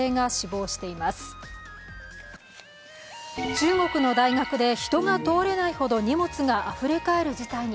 中国の大学で人が通れないほど荷物があふれかえる事態に。